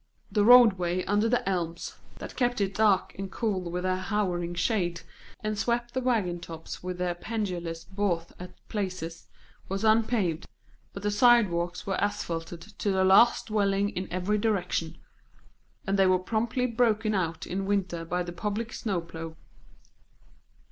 The roadway under the elms that kept it dark and cool with their hovering shade, and swept the wagon tops with their pendulous boughs at places, was unpaved; but the sidewalks were asphalted to the last dwelling in every direction, and they were promptly broken out in winter by the public snow plough.